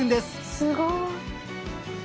すごい。